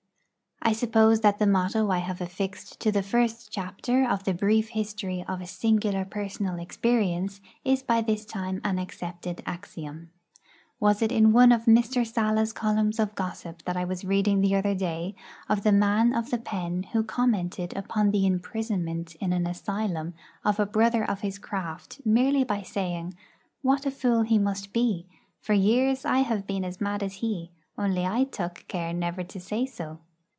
I suppose that the motto I have affixed to the first chapter of the brief history of a singular personal experience is by this time an accepted axiom. Was it in one of Mr. Sala's columns of gossip that I was reading the other day of the man of the pen who commented upon the imprisonment in an asylum of a brother of his craft merely by saying, 'What a fool he must be! For years I have been as mad as he, only I took care never to say so'?